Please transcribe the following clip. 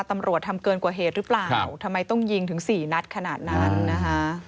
ตำรวจทำเกินกว่าเหตุหรือเปล่าทำไมต้องยิงถึงสี่นัดขนาดนั้นนะคะ